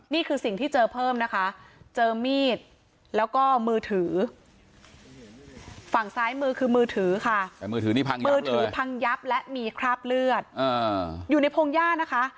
นี่คือสิ่งที่เจอเพิ่มนะคะเจอมีดแล้วก็มือถือฝั่งซ้ายมือคือมือถือค่ะมือถือพังยับและมีคราบเลือดอยู่ในพงหญ้านะคะ